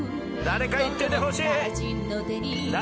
誰か行っててほしい。